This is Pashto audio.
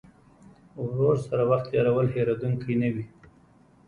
ورور سره وخت تېرول هېرېدونکی نه وي.